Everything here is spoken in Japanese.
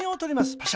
パシャ。